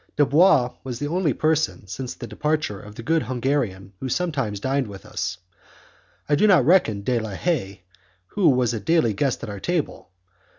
Dubois was the only person, since the departure of the good Hungarian, who sometimes dined with us; I do not reckon De la Haye, who was a daily guest at our table.